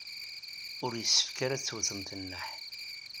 Ur yessefk ara ad tewtemt nneḥ.